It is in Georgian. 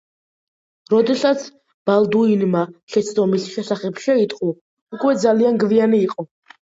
როდესაც ბალდუინმა შეცდომის შესახებ შეიტყო უკვე ძალიან გვიანი იყო.